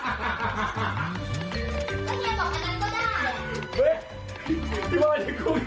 เมื่อกี้บอกเอ๊ะรู้สึกคุณเท่หรอ